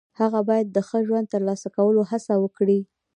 هغه باید د ښه ژوند د ترلاسه کولو هڅه وکړي.